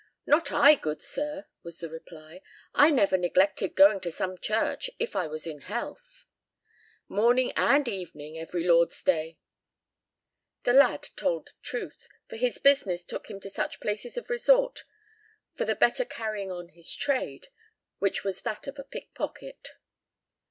"Not I, good sir," was the reply; "I never neglected going to some church, if I was in health, morning and evening every Lord's day." The lad told truth, for his business took him to such places of resort for the better carrying on his trade, which was that of a pickpocket.